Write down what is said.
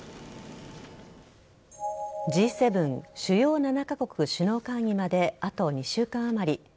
Ｇ７＝主要７カ国首脳会議まであと２週間あまり。